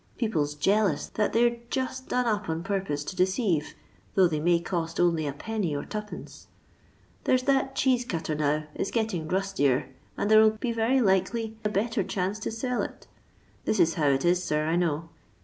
People 's jealous that they 're just done up on purpose to deceive, though they may cost only 1^. or 2.d. There 's that cheese cutter now, it's getting rustier and there'll be very likely a better chance to sell it. This is how it is, sir, 1 know.